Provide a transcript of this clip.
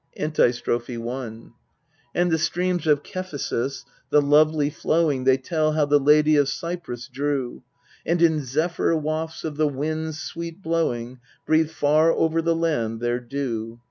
Antistrophe I And the streams of Cephisus the lovely flowing They tell how the Lady of Cyprus drew, Anc} in zephyr wafts of the winds sweet blowing Breathed far over the land their dew.